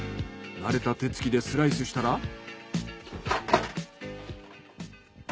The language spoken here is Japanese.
慣れた手つきでスライスしたら。